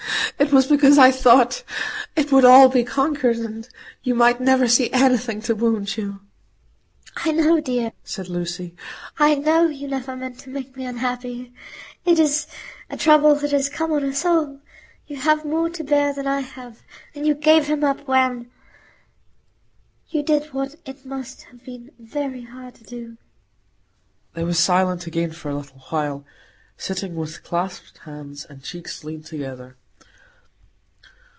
It was because I thought it would all be conquered, and you might never see anything to wound you." "I know, dear," said Lucy. "I know you never meant to make me unhappy. It is a trouble that has come on us all; you have more to bear than I have—and you gave him up, when—you did what it must have been very hard to do." They were silent again a little while, sitting with clasped hands, and cheeks leaned together.